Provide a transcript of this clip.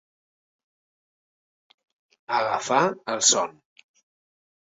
Agafar el son.